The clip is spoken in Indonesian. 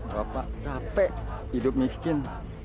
bapak capek hidup miskin